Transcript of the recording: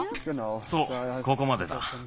そうここまでだ。